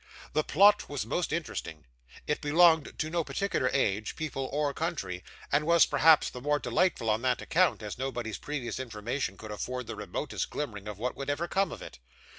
The plot was most interesting. It belonged to no particular age, people, or country, and was perhaps the more delightful on that account, as nobody's previous information could afford the remotest glimmering of what would ever come of it.